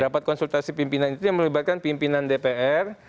rapat konsultasi pimpinan itu yang melibatkan pimpinan dpr